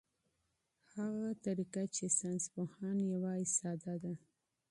هغه طریقه چې ساینسپوهان یې وايي ساده ده.